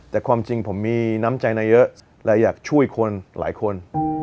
แต่ความจริงผมมีน้ำใจในเยอะและอยากช่วยคนหลายคน